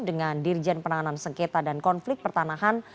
dengan dirjen penanganan sengketa dan konflik pertanahan